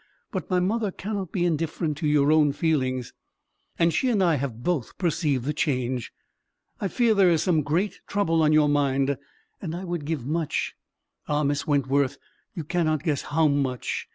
But my mother cannot be indifferent to your own feelings, and she and I have both perceived the change. I fear there is some great trouble on your mind; and I would give much—ah, Miss Wentworth, you cannot guess how much!